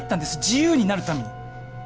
自由になるために。